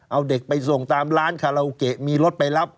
เอาเด็กไปส่งตามร้านคาราโอเกะมีรถไปรับ